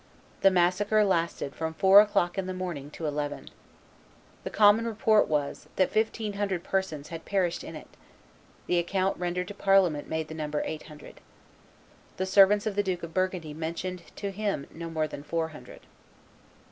The massacre lasted from four o'clock in the morning to eleven. The common report was, that fifteen hundred persons had perished in it; the account rendered to parliament made the number eight hundred. The servants of the Duke of Burgundy mentioned to him no more than four hundred.